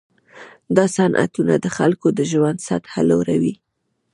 دا صنعتونه د خلکو د ژوند سطحه لوړوي.